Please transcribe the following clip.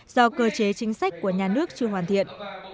do cơ chế chính sách của nhà nước chưa hoàn thiện